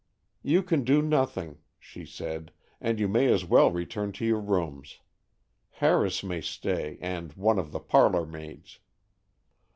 "You can do nothing," she said, "and you may as well return to your rooms. Harris may stay, and one of the parlor maids."